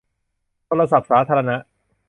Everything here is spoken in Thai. โทรศัพท์สาธารณะ